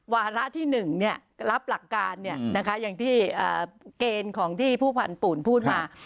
วาระที่๑รับหลักการอย่างที่เกณฑ์ของที่ผู้พันธุ์พูดมา